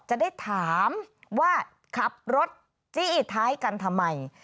จะได้ถามว่าขับรถจี้ท้ายกันทำไม